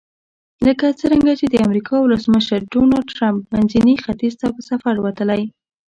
لکه څرنګه چې د امریکا ولسمشر ډونلډ ټرمپ منځني ختیځ ته په سفر وتلی.